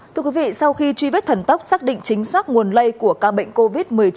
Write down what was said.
thưa quý vị sau khi truy vết thần tốc xác định chính xác nguồn lây của ca bệnh covid một mươi chín